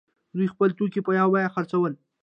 دوی خپل توکي په یوه بیه خرڅول.